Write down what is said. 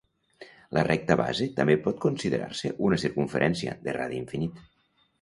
La recta base també pot considerar-se una circumferència, de radi infinit.